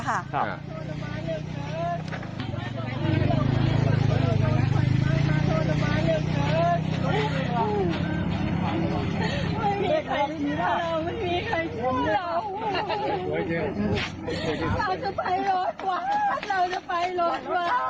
ไม่มีใครเชื่อเราไม่มีใครเชื่อเราเราจะไปรถวัดเราจะไปรถวัด